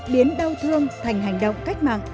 biến đau thương thành hành động cách mạng